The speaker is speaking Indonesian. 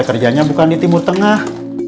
kerjanya bukan di timur tengah